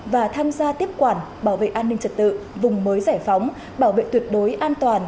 và tham gia tiếp quản bảo vệ an ninh trật tự vùng mới giải phóng bảo vệ tuyệt đối an toàn